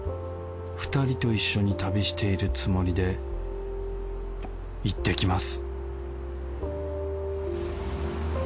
二人と一緒に旅しているつもりで行ってきます！」。